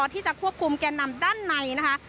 ที่จะควบคุมแก่นำด้านในนะคะ